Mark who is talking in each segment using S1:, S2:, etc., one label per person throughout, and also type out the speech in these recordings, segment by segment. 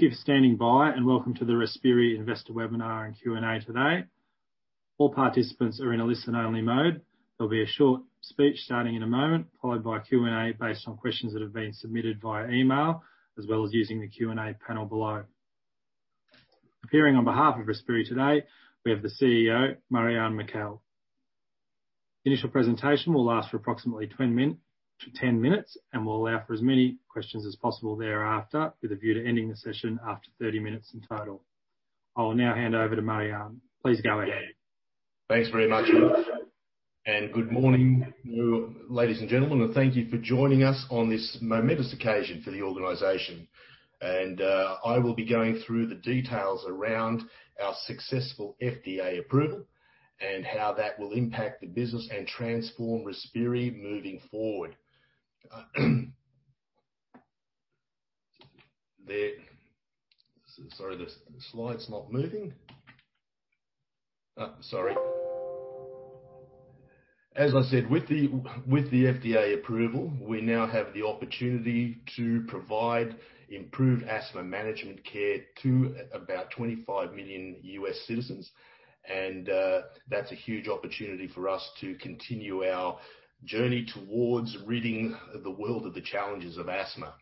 S1: Thank you for standing by, welcome to the Respiri Investor Webinar and Q&A today. All participants are in a listen-only mode. There'll be a short speech starting in a moment, followed by a Q&A based on questions that have been submitted via email, as well as using the Q&A panel below. Appearing on behalf of Respiri today, we have the CEO, Marjan Mikel. Initial presentation will last for approximately 10 minutes, we'll allow for as many questions as possible thereafter, with a view to ending the session after 30 minutes in total. I will now hand over to Marjan. Please go ahead.
S2: Thanks very much, and good morning, ladies and gentlemen, and thank you for joining us on this momentous occasion for the organization. I will be going through the details around our successful FDA approval and how that will impact the business and transform Respiri moving forward. Sorry, the slide's not moving. Sorry. As I said, with the FDA approval, we now have the opportunity to provide improved asthma management care to about 25 million U.S. citizens. That's a huge opportunity for us to continue our journey towards ridding the world of the challenges of asthma.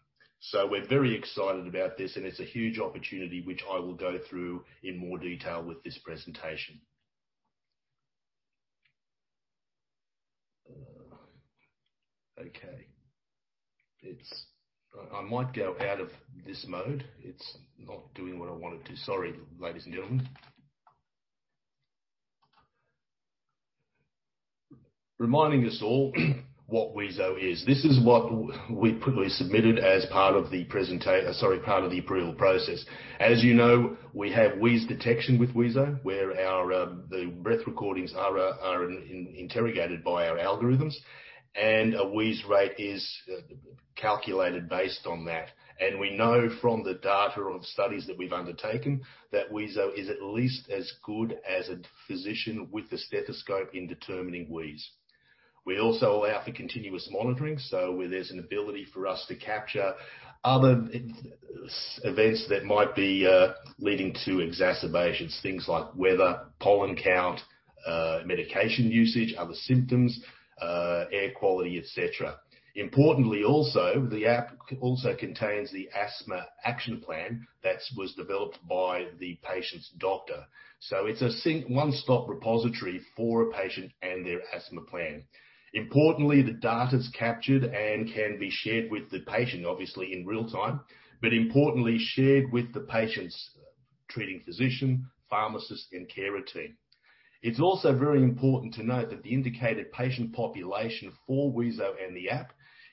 S2: We're very excited about this, and it's a huge opportunity, which I will go through in more detail with this presentation. Okay. I might go out of this mode. It's not doing what I want it to. Sorry, ladies and gentlemen. Reminding us all what wheezo is. This is what we submitted as part of the approval process. As you know, we have wheeze detection with wheezo, where the breath recordings are interrogated by our algorithms, and a wheeze rate is calculated based on that. We know from the data of studies that we've undertaken, that wheezo is at least as good as a physician with a stethoscope in determining wheeze. We also allow for continuous monitoring, so where there's an ability for us to capture other events that might be leading to exacerbations. Things like weather, pollen count, medication usage, other symptoms, air quality, et cetera. Importantly also, the app also contains the asthma action plan that was developed by the patient's doctor. It's a sync one-stop repository for a patient and their asthma plan. Importantly, the data's captured and can be shared with the patient, obviously in real time, but importantly shared with the patient's treating physician, pharmacist, and care team. It's also very important to note that the indicated patient population for wheezo and the app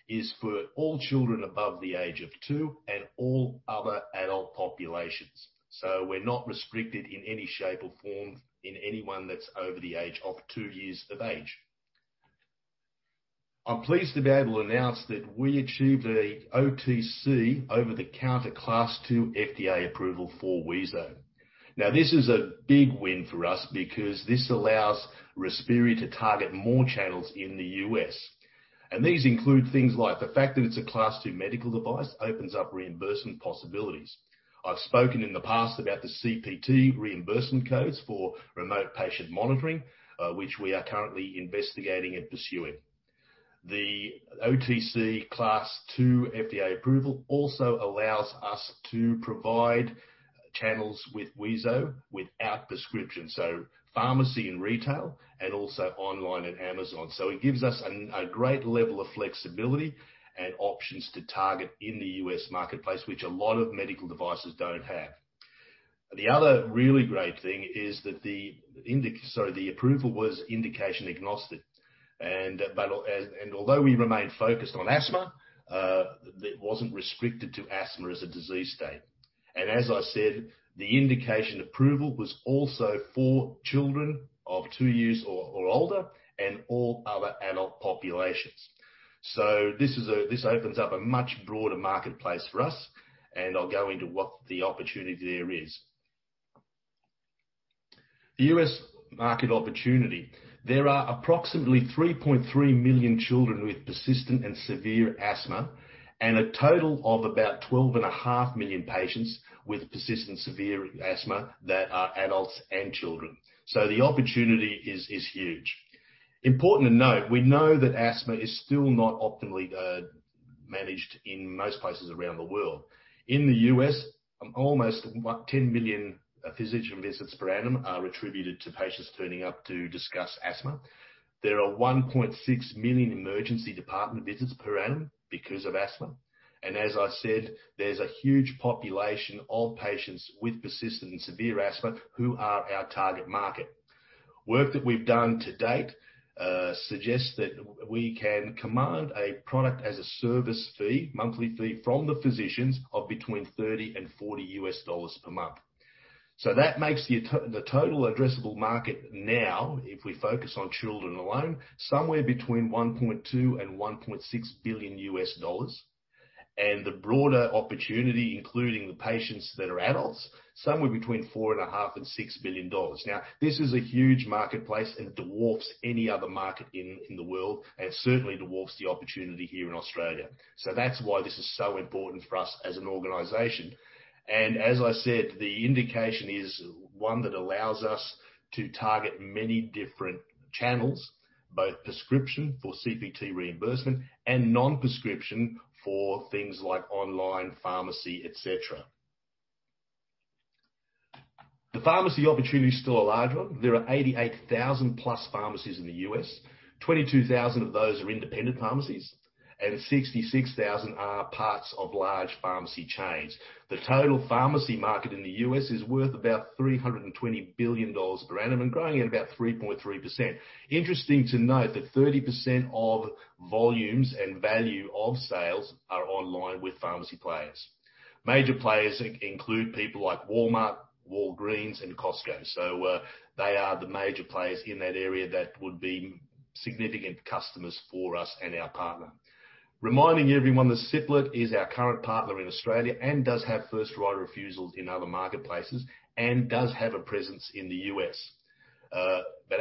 S2: is for all children above the age of two and all other adult populations. We're not restricted in any shape or form in anyone that's over the age of two years of age. I'm pleased to be able to announce that we achieved an OTC, over-the-counter Class II FDA approval for wheezo. This is a big win for us because this allows Respiri to target more channels in the U.S. These include things like the fact that it's a Class II medical device opens up reimbursement possibilities. I've spoken in the past about the CPT reimbursement codes for remote patient monitoring, which we are currently investigating and pursuing. The OTC Class II FDA approval also allows us to provide channels with wheezo without prescription, so pharmacy and retail, also online and Amazon. It gives us a great level of flexibility and options to target in the U.S. marketplace, which a lot of medical devices don't have. The other really great thing is that the approval was indication agnostic. Although we remain focused on asthma, it wasn't restricted to asthma as a disease state. As I said, the indication approval was also for children of two years or older and all other adult populations. This opens up a much broader marketplace for us, and I'll go into what the opportunity there is. The U.S. market opportunity. There are approximately 3.3 million children with persistent and severe asthma, and a total of about 12.5 million patients with persistent severe asthma that are adults and children. The opportunity is huge. Important to note, we know that asthma is still not optimally managed in most places around the world. In the U.S., almost 10 million physician visits per annum are attributed to patients turning up to discuss asthma. There are 1.6 million emergency department visits per annum because of asthma. As I said, there's a huge population of patients with persistent and severe asthma who are our target market. Work that we've done to date suggests that we can command a product as a service fee, monthly fee from the physicians of between $30 and $40 per month. That makes the total addressable market now, if we focus on children alone, somewhere between $1.2 billion and $1.6 billion. The broader opportunity, including the patients that are adults, somewhere between $4.5 billion and $6 billion. This is a huge marketplace and dwarfs any other market in the world, and certainly dwarfs the opportunity here in Australia. That's why this is so important for us as an organization. As I said, the indication is one that allows us to target many different channels, both prescription for CPT reimbursement and non-prescription for things like online pharmacy, et cetera. The pharmacy opportunity is still a large one. There are 88,000+ pharmacies in the U.S., 22,000 of those are independent pharmacies and 66,000 are parts of large pharmacy chains. The total pharmacy market in the U.S. is worth about $320 billion per annum and growing at about 3.3%. Interesting to note that 30% of volumes and value of sales are online with pharmacy players. Major players include people like Walmart, Walgreens, and Costco. They are the major players in that area that would be significant customers for us and our partner. Reminding everyone that Cipla is our current partner in Australia and does have first right of refusals in other marketplaces, and does have a presence in the U.S.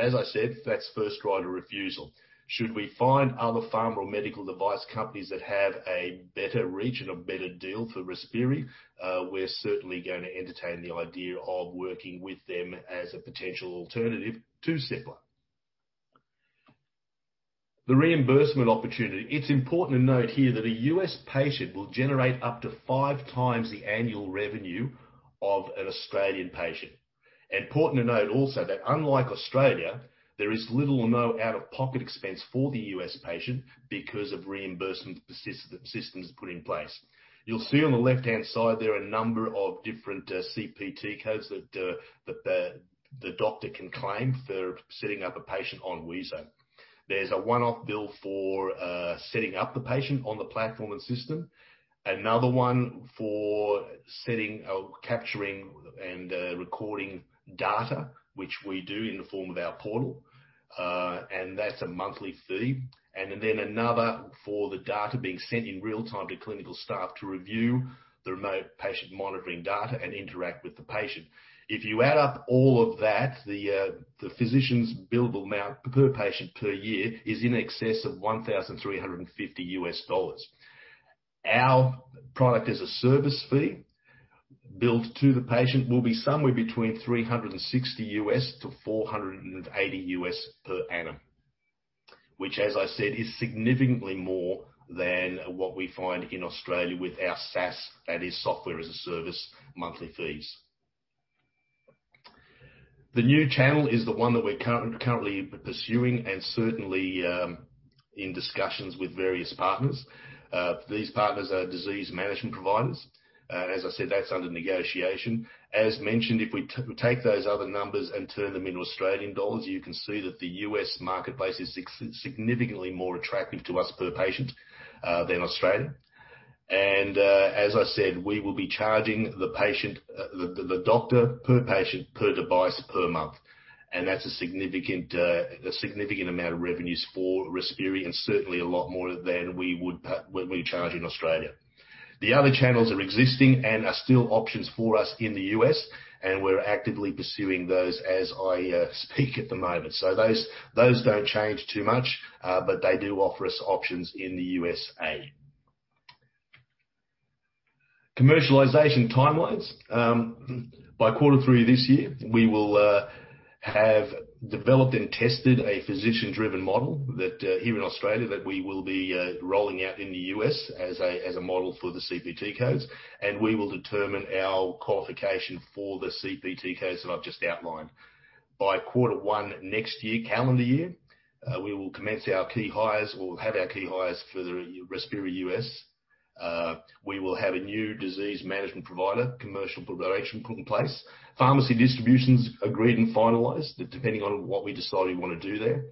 S2: As I said, that's first right of refusal. Should we find other pharma or medical device companies that have a better reach and a better deal for Respiri, we're certainly going to entertain the idea of working with them as a potential alternative to Cipla. The reimbursement opportunity. It's important to note here that a U.S. patient will generate up to five times the annual revenue of an Australian patient. Important to note also that unlike Australia, there is little or no out-of-pocket expense for the U.S. patient because of reimbursement systems put in place. You'll see on the left-hand side, there are a number of different CPT codes that the doctor can claim for setting up a patient on wheezo. There's a one-off bill for setting up the patient on the platform and system. Another one for setting or capturing and recording data, which we do in the form of our portal. That's a monthly fee. Then another for the data being sent in real time to clinical staff to review the remote patient monitoring data and interact with the patient. If you add up all of that, the physician's billable amount per patient per year is in excess of $1,350 U.S. Our product as a service fee billed to the patient will be somewhere between $360 U.S. to $480 U.S. per annum, which as I said, is significantly more than what we find in Australia with our SaaS, that is software as a service monthly fees. The new channel is the one that we're currently pursuing and certainly in discussions with various partners. These partners are disease management providers. As I said, that's under negotiation. As mentioned, if we take those other numbers and turn them into Australian dollars, you can see that the U.S. marketplace is significantly more attractive to us per patient, than Australia. As I said, we will be charging the doctor per patient, per device, per month, and that's a significant amount of revenues for Respiri and certainly a lot more than we charge in Australia. The other channels are existing and are still options for us in the U.S., and we're actively pursuing those as I speak at the moment. Those don't change too much, but they do offer us options in the USA. Commercialization timelines. By quarter three this year, we will have developed and tested a physician-driven model here in Australia that we will be rolling out in the U.S. as a model for the CPT codes, and we will determine our qualification for the CPT codes that I've just outlined. By quarter one next year, calendar year, we will commence our key hires. We'll have our key hires for the Respiri US. We will have a new disease management provider commercial direction put in place, pharmacy distributions agreed and finalized, depending on what we decide we want to do there,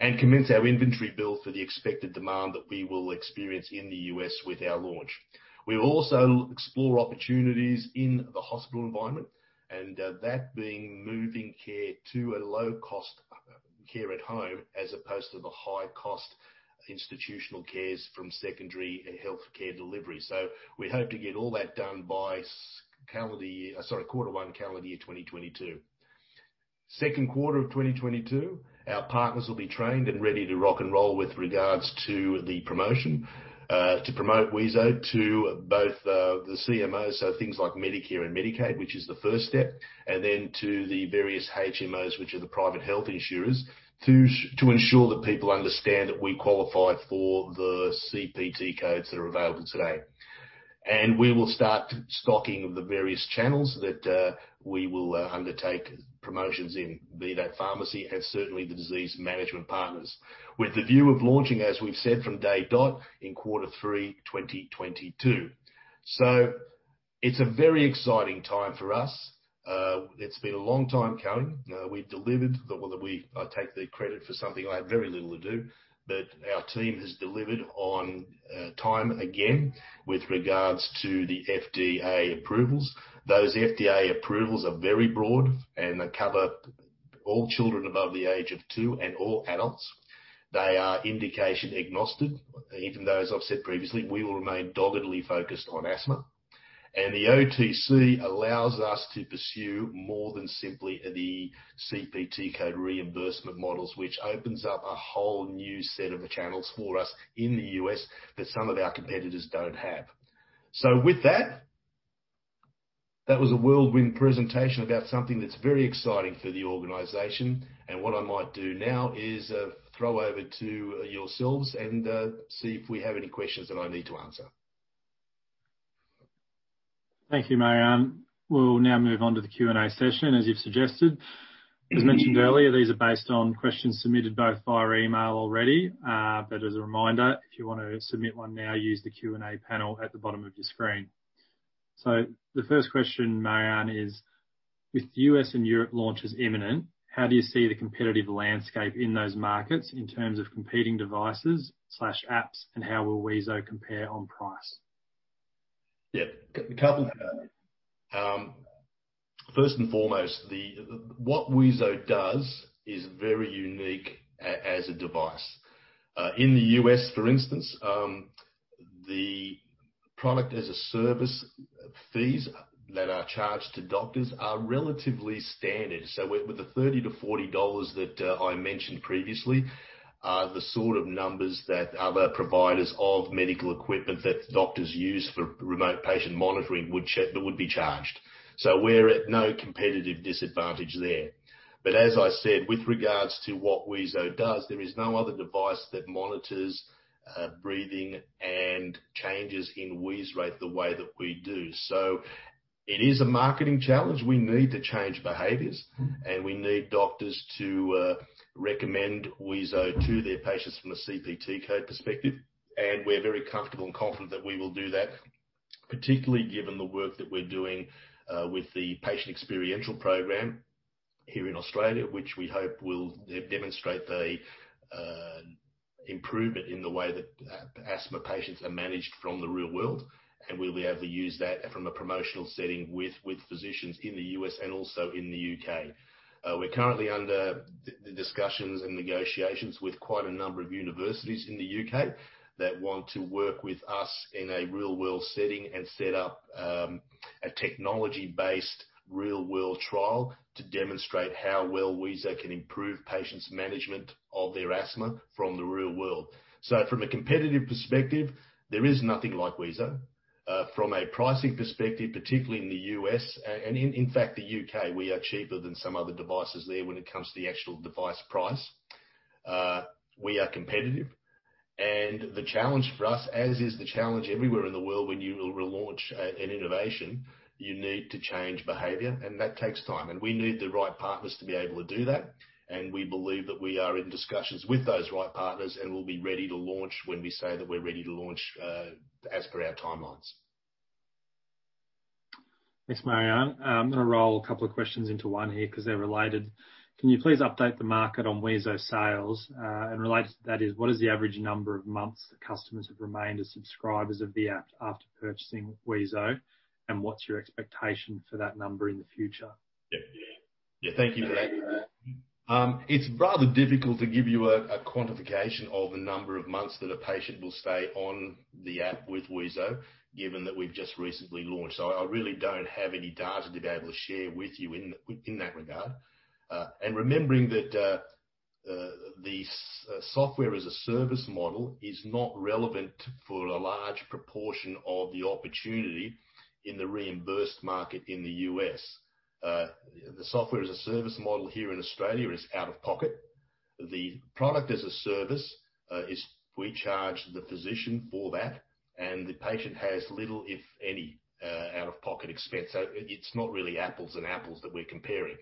S2: and commence our inventory build for the expected demand that we will experience in the U.S. with our launch. We will also explore opportunities in the hospital environment, that being moving care to a low-cost care at home, as opposed to the high-cost institutional cares from secondary healthcare delivery. We hope to get all that done by calendar year sorry, quarter one, calendar year 2022. Second quarter of 2022, our partners will be trained and ready to rock and roll with regards to the promotion, to promote wheezo to both the CMOs, so things like Medicare and Medicaid, which is the first step, and then to the various HMOs, which are the private health insurers, to ensure that people understand that we qualify for the CPT codes that are available today. We will start stocking of the various channels that we will undertake promotions in, be that pharmacy and certainly the disease management partners, with the view of launching, as we've said from day dot, in quarter three 2022. It's a very exciting time for us. It's been a long time coming. I take the credit for something I had very little to do, but our team has delivered on time again with regards to the FDA approvals. Those FDA approvals are very broad and they cover all children above the age of two and all adults. They are indication agnostic, even though, as I've said previously, we will remain doggedly focused on asthma. The OTC allows us to pursue more than simply the CPT code reimbursement models, which opens up a whole new set of channels for us in the U.S. that some of our competitors don't have. With that was a whirlwind presentation about something that's very exciting for the organization, and what I might do now is throw over to yourselves and see if we have any questions that I need to answer.
S1: Thank you, Marjan. We'll now move on to the Q&A session, as you've suggested. As mentioned earlier, these are based on questions submitted both via email already. As a reminder, if you want to submit one now, use the Q&A panel at the bottom of your screen. The first question, Marjan, is: With U.S. and Europe launches imminent, how do you see the competitive landscape in those markets in terms of competing devices/apps? How will wheezo compare on price?
S2: Yeah. A couple. First and foremost, what wheezo does is very unique as a device. In the U.S., for instance, the product as-a-service fees that are charged to doctors are relatively standard. With the $30-$40 that I mentioned previously, are the sort of numbers that other providers of medical equipment that doctors use for remote patient monitoring that would be charged. As I said, with regards to what wheezo does, there is no other device that monitors breathing and changes in wheeze rate the way that we do. It is a marketing challenge. We need to change behaviors. We need doctors to recommend wheezo to their patients from a CPT code perspective, and we're very comfortable and confident that we will do that, particularly given the work that we're doing with the patient experience program here in Australia, which we hope will demonstrate the improvement in the way that asthma patients are managed from the real world. We'll be able to use that from a promotional setting with physicians in the U.S. and also in the U.K. We're currently under discussions and negotiations with quite a number of universities in the U.K. that want to work with us in a real-world setting and set up a technology-based real-world trial to demonstrate how well wheezo can improve patients' management of their asthma from the real world. From a competitive perspective, there is nothing like wheezo. From a pricing perspective, particularly in the U.S. and in fact, the U.K., we are cheaper than some other devices there when it comes to the actual device price. We are competitive. The challenge for us, as is the challenge everywhere in the world when you relaunch an innovation, you need to change behavior, and that takes time. We need the right partners to be able to do that, and we believe that we are in discussions with those right partners, and we'll be ready to launch when we say that we're ready to launch as per our timelines.
S1: Thanks, Marjan. I'm gonna roll a couple of questions into one here because they're related. Can you please update the market on wheezo sales? Related to that is, what is the average number of months that customers have remained as subscribers of the app after purchasing wheezo? What's your expectation for that number in the future?
S2: Yeah. Thank you for that. It's rather difficult to give you a quantification of the number of months that a patient will stay on the app with wheezo, given that we've just recently launched. I really don't have any data to be able to share with you in that regard. Remembering that the software as a service model is not relevant for a large proportion of the opportunity in the reimbursed market in the U.S. The software as a service model here in Australia is out of pocket. The product as a service is we charge the physician for that, and the patient has little, if any, out-of-pocket expense. It's not really apples and apples that we're comparing.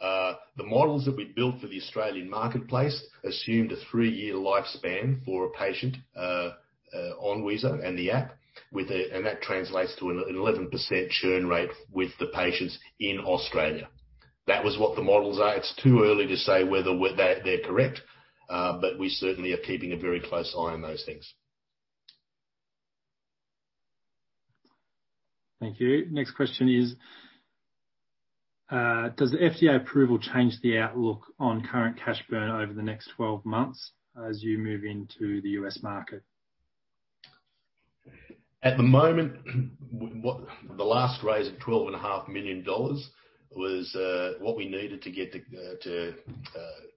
S2: The models that we built for the Australian marketplace assumed a three-year lifespan for a patient on wheezo and the app. That translates to an 11% churn rate with the patients in Australia. That was what the models are. It's too early to say whether they're correct, but we certainly are keeping a very close eye on those things.
S1: Thank you. Next question is: Does the FDA approval change the outlook on current cash burn over the next 12 months as you move into the U.S. market?
S2: At the moment, the last raise of $12.5 million was what we needed to get to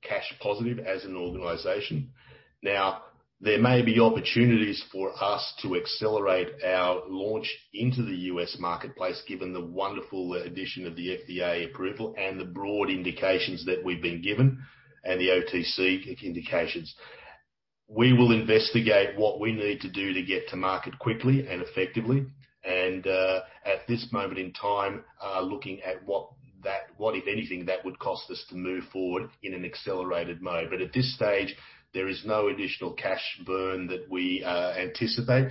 S2: cash positive as an organization. Now, there may be opportunities for us to accelerate our launch into the U.S. marketplace, given the wonderful addition of the FDA approval and the broad indications that we've been given and the OTC indications. We will investigate what we need to do to get to market quickly and effectively. At this moment in time, looking at what if anything, that would cost us to move forward in an accelerated mode. At this stage, there is no additional cash burn that we anticipate.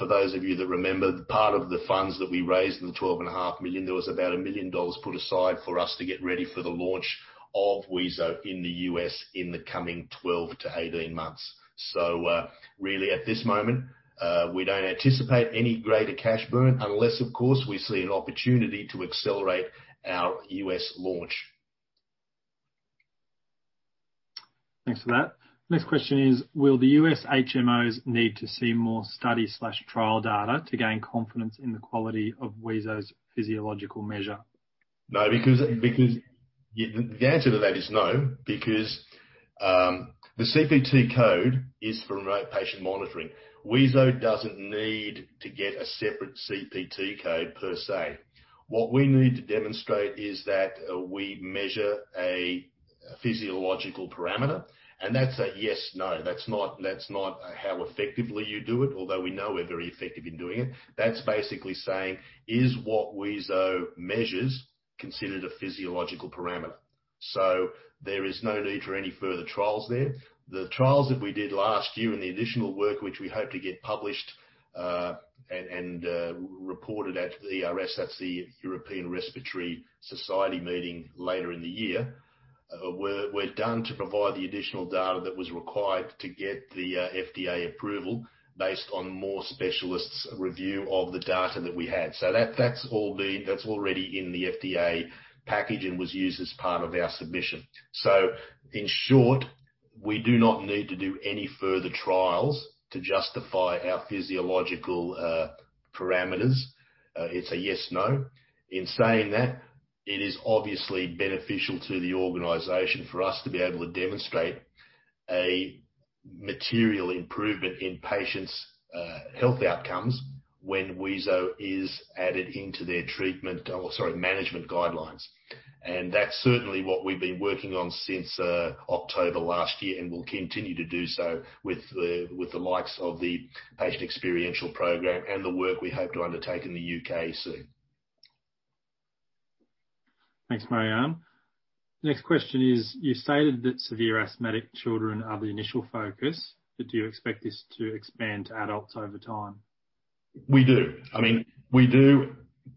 S2: For those of you that remember, part of the funds that we raised in the $12.5 million, there was about $1 million put aside for us to get ready for the launch of wheezo in the U.S. in the coming 12 to 18 months. Really at this moment, we don't anticipate any greater cash burn unless, of course, we see an opportunity to accelerate our U.S. launch.
S1: Thanks for that. Next question is: Will the U.S. HMOs need to see more study/trial data to gain confidence in the quality of wheezo's physiological measure?
S2: No, the answer to that is no, because the CPT code is for remote patient monitoring. Wheezo doesn't need to get a separate CPT code per se. What we need to demonstrate is that we measure a physiological parameter, and that's a yes/no. That's not how effectively you do it, although we know we're very effective in doing it. That's basically saying, is what wheezo measures considered a physiological parameter? There is no need for any further trials there. The trials that we did last year and the additional work which we hope to get published, and reported at the ERS, that's the European Respiratory Society meeting later in the year, were done to provide the additional data that was required to get the FDA approval based on more specialists' review of the data that we had. That's already in the FDA packaging, was used as part of our submission. In short, we do not need to do any further trials to justify our physiological parameters. It's a yes/no. In saying that, it is obviously beneficial to the organization for us to be able to demonstrate a material improvement in patients' health outcomes when wheezo is added into their treatment or, sorry, management guidelines. That's certainly what we've been working on since October last year, and will continue to do so with the likes of the patient experience program and the work we hope to undertake in the U.K. soon.
S1: Thanks, Marjan. Next question is, you stated that severe asthmatic children are the initial focus, but do you expect this to expand to adults over time?
S2: We do.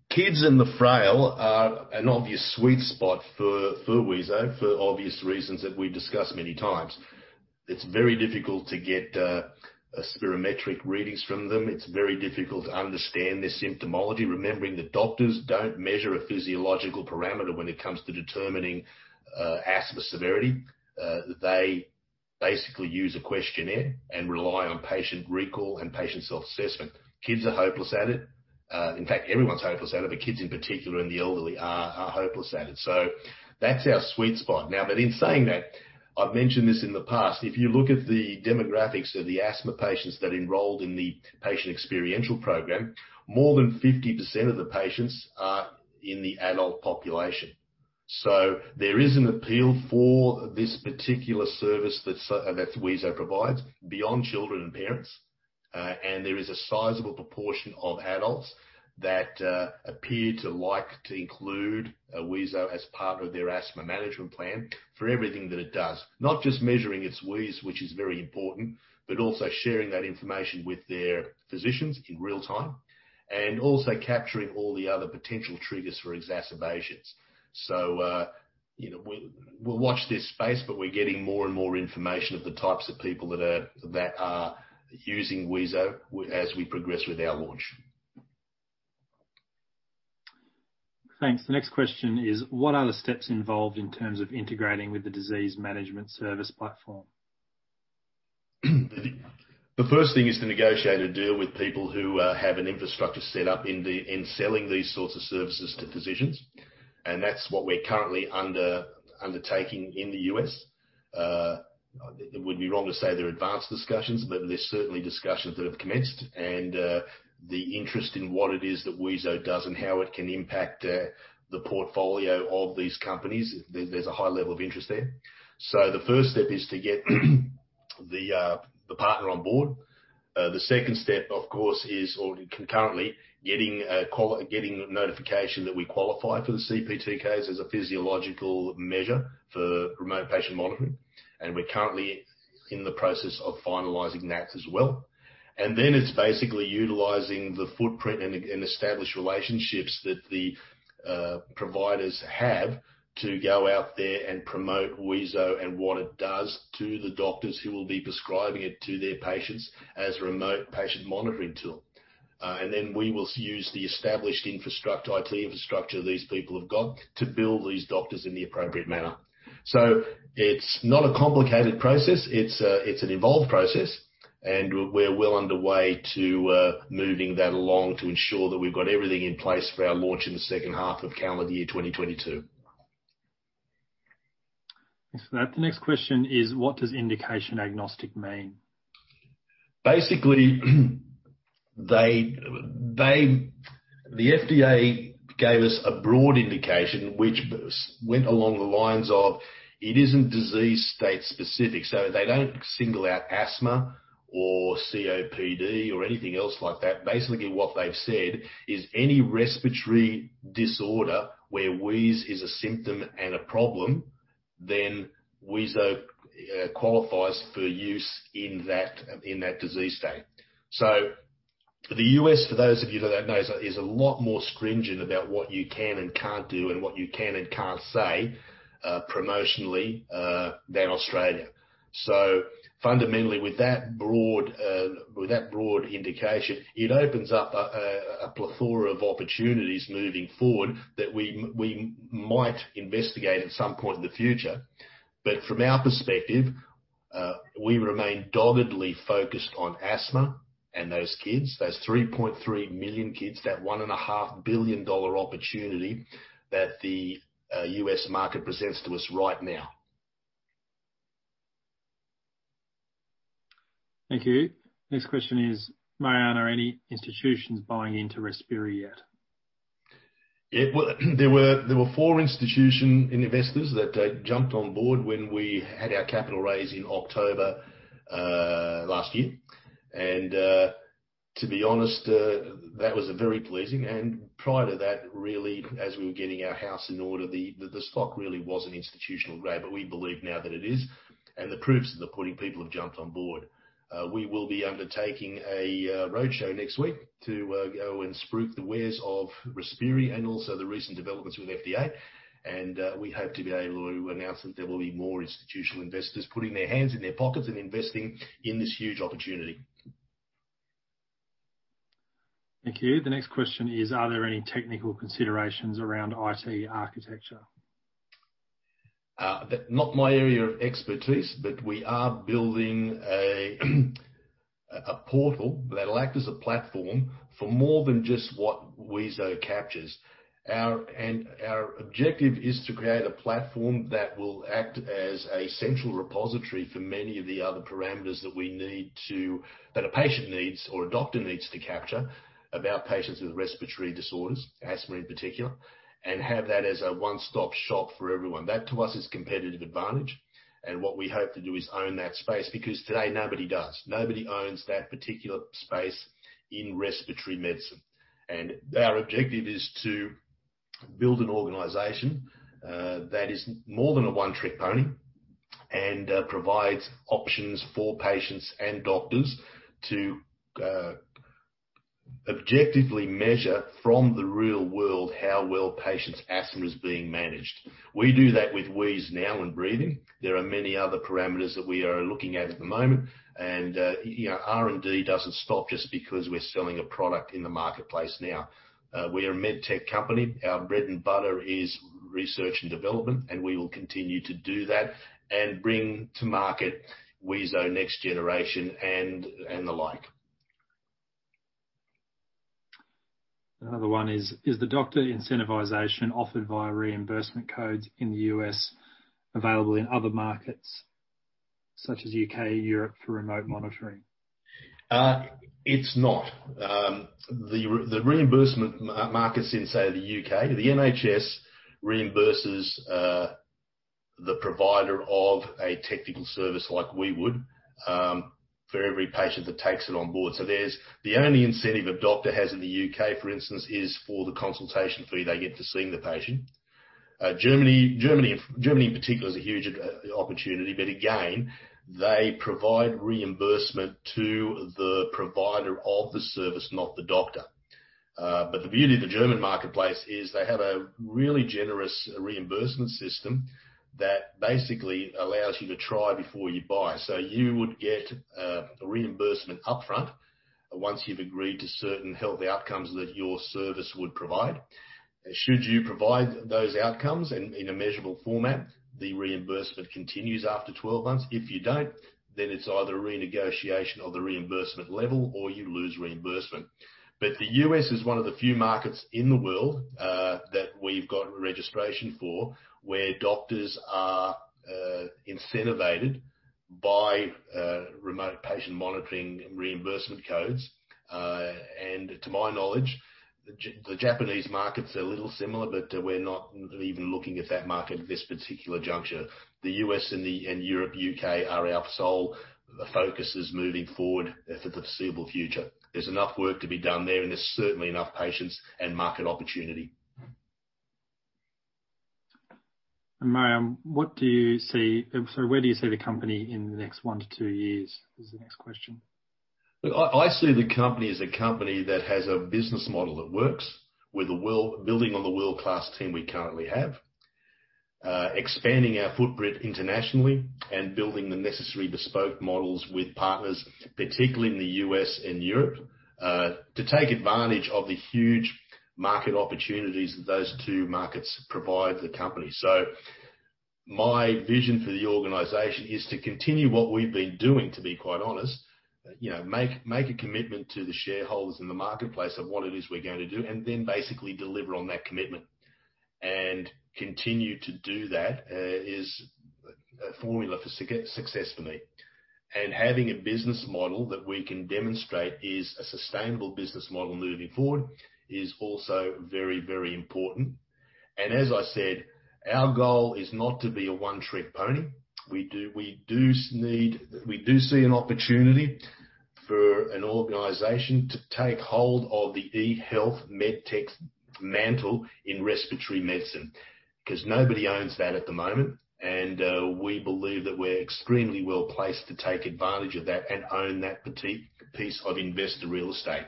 S2: Kids and the frail are an obvious sweet spot for wheezo for obvious reasons that we've discussed many times. It's very difficult to get spirometric readings from them. It's very difficult to understand their symptomology. Remembering that doctors don't measure a physiological parameter when it comes to determining asthma severity. They basically use a questionnaire and rely on patient recall and patient self-assessment. Kids are [hypocellular]. In fact, everyone's [hypocellular], but kids in particular and the elderly are [hypocellular]. That's our sweet spot. In saying that, I've mentioned this in the past, if you look at the demographics of the asthma patients that enrolled in the patient experience program, more than 50% of the patients are in the adult population. There is an appeal for this particular service that wheezo provides beyond children and parents. There is a sizable proportion of adults that appear to like to include wheezo as part of their asthma management plan for everything that it does. Not just measuring its wheeze, which is very important, but also sharing that information with their physicians in real time, and also capturing all the other potential triggers for exacerbations. We'll watch this space, but we're getting more and more information of the types of people that are using wheezo as we progress with our launch.
S1: Thanks. The next question is, what are the steps involved in terms of integrating with the disease management service platform?
S2: The first thing is to negotiate a deal with people who have an infrastructure set up in selling these sorts of services to physicians, and that's what we're currently undertaking in the U.S. It would be wrong to say they're advanced discussions, but there's certainly discussions that have commenced. The interest in what it is that wheezo does and how it can impact the portfolio of these companies, there's a high level of interest there. The first step is to get the partner on board. The second step, of course, is or concurrently getting notification that we qualify for the CPT as a physiological measure for remote patient monitoring. We're currently in the process of finalizing that as well. It's basically utilizing the footprint and established relationships that the providers have to go out there and promote wheezo and what it does to the doctors who will be prescribing it to their patients as a remote patient monitoring tool. We will use the established IT infrastructure these people have got to bill these doctors in the appropriate manner. It's not a complicated process, it's an involved process, and we're well underway to moving that along to ensure that we've got everything in place for our launch in the second half of calendar year 2022.
S1: Thanks for that. The next question is, what does indication agnostic mean?
S2: The FDA gave us a broad indication which went along the lines of it isn't disease state specific. They don't single out asthma or COPD or anything else like that. What they've said is any respiratory disorder where wheeze is a symptom and a problem, wheezo qualifies for use in that disease state. The U.S., for those of you that don't know, is a lot more stringent about what you can and can't do and what you can and can't say promotionally, than Australia. Fundamentally with that broad indication, it opens up a plethora of opportunities moving forward that we might investigate at some point in the future. From our perspective, we remain doggedly focused on asthma and those kids, those 3.3 million kids, that $1.5 billion opportunity that the U.S. market presents to us right now.
S1: Thank you. Next question is, "Marjan, are any institutions buying into Respiri yet?
S2: Well, there were four institutional investors that jumped on board when we had our capital raise in October last year. To be honest, that was very pleasing. Prior to that, really, as we were getting our house in order, the stock really wasn't institutional grade, we believe now that it is. The proof's in the pudding, people have jumped on board. We will be undertaking a roadshow next week to go and spruik the wares of Respiri and also the recent developments with FDA. We hope to be able to announce that there will be more institutional investors putting their hands in their pockets and investing in this huge opportunity.
S1: Thank you. The next question is, are there any technical considerations around IT architecture?
S2: Not my area of expertise, we are building a portal that'll act as a platform for more than just what wheezo captures. Our objective is to create a platform that will act as a central repository for many of the other parameters that a patient needs or a doctor needs to capture about patients with respiratory disorders, asthma in particular, and have that as a one-stop shop for everyone. That, to us, is competitive advantage. What we hope to do is own that space, because today nobody does. Nobody owns that particular space in respiratory medicine. Our objective is to build an organization that is more than a one-trick pony and provides options for patients and doctors to objectively measure from the real world how well patients' asthma is being managed. We do that with wheeze now and breathing. There are many other parameters that we are looking at at the moment. R&D doesn't stop just because we're selling a product in the marketplace now. We are a MedTech company. Our bread and butter is research and development, and we will continue to do that and bring to market wheezo next generation and the like.
S1: Another one is, "Is the doctor incentivization offered via reimbursement codes in the U.S. available in other markets such as U.K., Europe for remote monitoring?
S2: It is not. The reimbursement markets inside the U.K., the NHS reimburses the provider of a technical service like we would for every patient that takes it on board. The only incentive a doctor has in the U.K., for instance, is for the consultation fee they get for seeing the patient. Germany in particular is a huge opportunity, but again, they provide reimbursement to the provider of the service, not the doctor. The beauty of the German marketplace is they have a really generous reimbursement system that basically allows you to try before you buy. You would get a reimbursement upfront once you have agreed to certain health outcomes that your service would provide. Should you provide those outcomes in a measurable format, the reimbursement continues after 12 months. If you do not, then it is either a renegotiation of the reimbursement level or you lose reimbursement. The U.S. is one of the few markets in the world that we've got registration for, where doctors are incentivized by remote patient monitoring reimbursement codes. To my knowledge, the Japanese markets are a little similar, but we're not even looking at that market at this particular juncture. The U.S. and Europe, U.K. are our sole focuses moving forward for the foreseeable future. There's enough work to be done there, and there's certainly enough patients and market opportunity.
S1: Marjan, where do you see the company in the next one to two years? is the next question.
S2: I see the company as a company that has a business model that works, building on the world-class team we currently have. Expanding our footprint internationally and building the necessary bespoke models with partners, particularly in the U.S. and Europe, to take advantage of the huge market opportunities that those two markets provide the company. My vision for the organization is to continue what we've been doing, to be quite honest. Make a commitment to the shareholders in the marketplace of what it is we're going to do, and then basically deliver on that commitment. Continue to do that is a formula for success for me. Having a business model that we can demonstrate is a sustainable business model moving forward is also very, very important. As I said, our goal is not to be a one-trick pony. We do see an opportunity for an organization to take hold of the eHealth MedTech mantle in respiratory medicine, because nobody owns that at the moment, and we believe that we're extremely well-placed to take advantage of that and own that piece of investor real estate.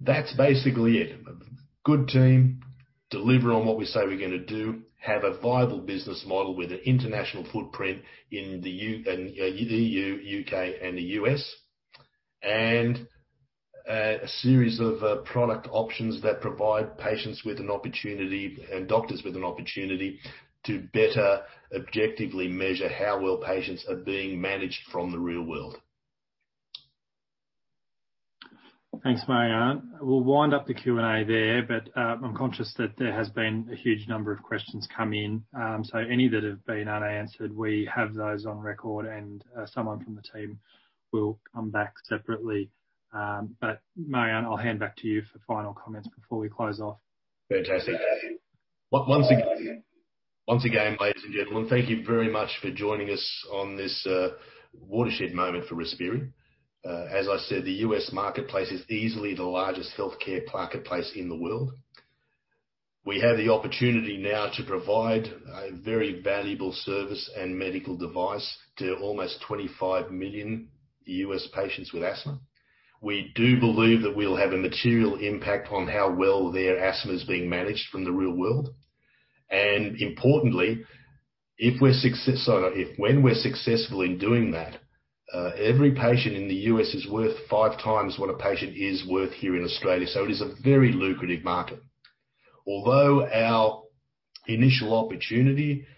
S2: That's basically it. Good team, deliver on what we say we're going to do, have a viable business model with an international footprint in the U.K., and the U.S. A series of product options that provide patients with an opportunity and doctors with an opportunity to better objectively measure how well patients are being managed from the real world.
S1: Thanks, Marjan. We'll wind up the Q&A there. I'm conscious that there has been a huge number of questions come in. Any that have been unanswered, we have those on record and someone from the team will come back separately. Marjan, I'll hand back to you for final comments before we close off.
S2: Fantastic. Once again, ladies and gentlemen, thank you very much for joining us on this watershed moment for Respiri. The U.S. marketplace is easily the largest healthcare marketplace in the world. We have the opportunity now to provide a very valuable service and medical device to almost 25 million U.S. patients with asthma. We do believe that we'll have a material impact on how well their asthma is being managed from the real world. Importantly, when we're successful in doing that, every patient in the U.S. is worth five times what a patient is worth here in Australia. It is a very lucrative market. Although our initial opportunity,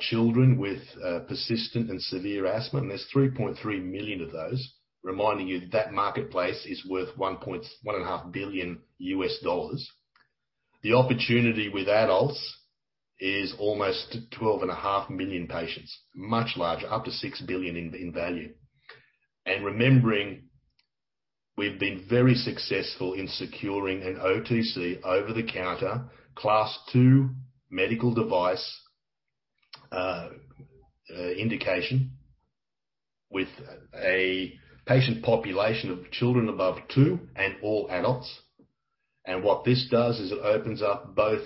S2: children with persistent and severe asthma, and there's 3.3 million of those, reminding you that marketplace is worth $1.5 billion. The opportunity with adults is almost 12.5 million patients, much larger, up to $6 billion in value. Remembering we've been very successful in securing an OTC, over the counter, Class II medical device indication with a patient population of children above two and all adults. What this does is it opens up both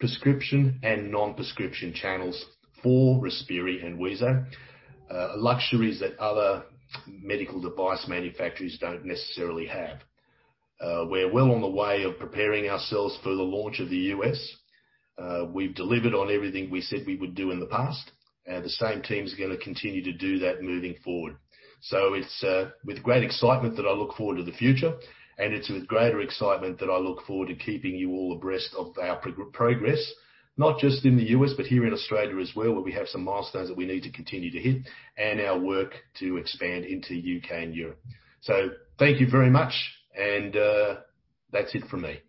S2: prescription and non-prescription channels for Respiri and wheezo, luxuries that other medical device manufacturers don't necessarily have. We're well on the way of preparing ourselves for the launch of the U.S. We've delivered on everything we said we would do in the past, the same team's going to continue to do that moving forward. It's with great excitement that I look forward to the future. It's with greater excitement that I look forward to keeping you all abreast of our progress, not just in the U.S., but here in Australia as well, where we have some milestones that we need to continue to hit and our work to expand into U.K. and Europe. Thank you very much, and that's it from me.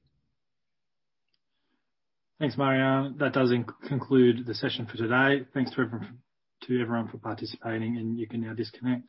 S1: Thanks, Marjan. That does conclude the session for today. Thanks to everyone for participating, and you can now disconnect.